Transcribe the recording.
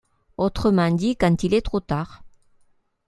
Autrement dit quand il est trop tard.